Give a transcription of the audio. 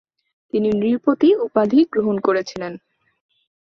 তিনি "নৃপতি" উপাধি গ্রহণ করেছিলেন।